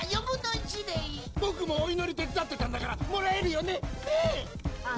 ボクもおいのり手伝ってたんだからもらえるよね。